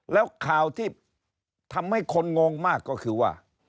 แล้วข่าวที่ทำให้คนงงมากก็คือว่า